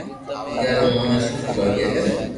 گھر اموني ني سٺو لاگي ھي